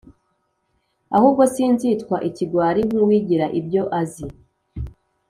ahubwo Sinzitwa ikigwari Nk’uwigira ibyo azi